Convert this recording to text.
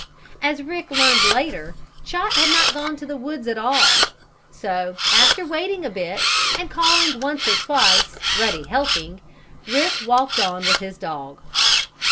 As Rick learned, later, Chot had not gone to the woods at all. So, after waiting a bit, and calling once or twice, Ruddy helping, Rick walked on with his dog.